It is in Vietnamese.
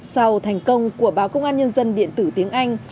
sau thành công của báo công an nhân dân điện tử tiếng anh